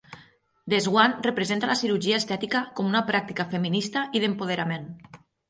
"The Swan" representa la cirurgia estètica com una pràctica feminista i d'empoderament.